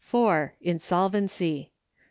Insolvency. 5.